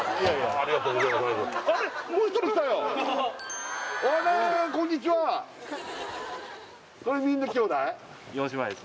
ありがとうございます